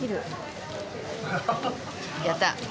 やった！